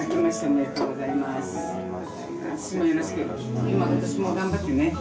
優真今年も頑張ってね。